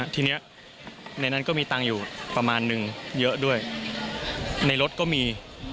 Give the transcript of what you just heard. ทีนี้ในนั้นก็มีตังค์อยู่ประมาณนึงเยอะด้วยในรถก็มี